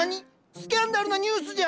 スキャンダルなニュースじゃん！